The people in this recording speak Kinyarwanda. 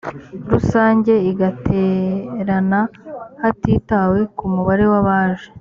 rusange igaterana hatitawe ku mubare w abaje